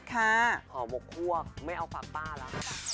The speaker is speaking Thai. อ๋อหมกครัวไม่เอาฝากป้าล่ะ